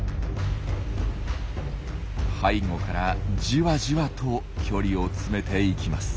背後からじわじわと距離を詰めていきます。